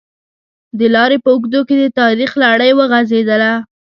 د لارې په اوږدو کې د تاریخ لړۍ وغزېدله.